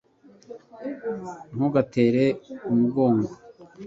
ntugatera umugongo